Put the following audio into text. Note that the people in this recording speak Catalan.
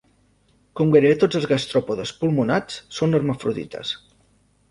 Com gairebé tots els gastròpodes pulmonats són hermafrodites.